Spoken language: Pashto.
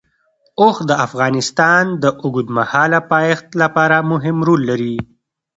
اوښ د افغانستان د اوږدمهاله پایښت لپاره مهم رول لري.